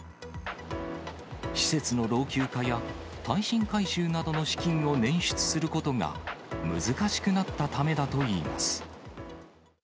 施設の老朽化や、耐震改修などの資金を捻出することが難しくなったためだといいます。